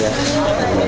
iya apa adanya